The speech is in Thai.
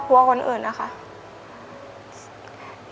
แพนด้วย